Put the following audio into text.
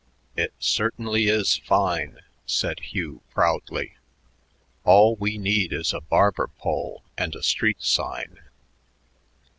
"It certainly is fine," said Hugh proudly. "All we need is a barber pole and a street sign."